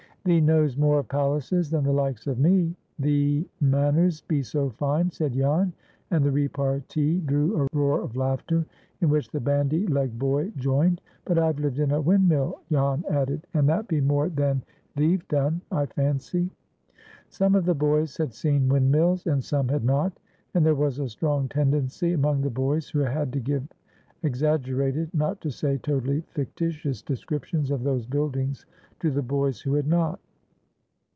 "Thee knows more of palaces than the likes of me. Thee manners be so fine," said Jan; and the repartee drew a roar of laughter, in which the bandy legged boy joined. "But I've lived in a windmill," Jan added, "and that be more than thee've done, I fancy." Some of the boys had seen windmills, and some had not; and there was a strong tendency among the boys who had to give exaggerated, not to say totally fictitious, descriptions of those buildings to the boys who had not.